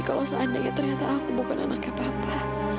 kalau seandainya ternyata aku bukan anaknya papa